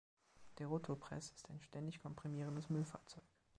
Der Rotopress ist ein ständig komprimierendes Müllfahrzeug.